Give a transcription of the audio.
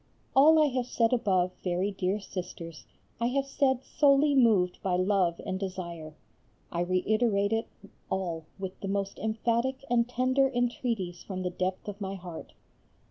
All I have said above, very dear Sisters, I have said solely moved by love and desire. I reiterate it all with the most emphatic and tender entreaties from the depth of my heart.